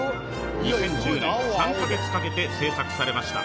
２０１０年、３か月使って製作されました。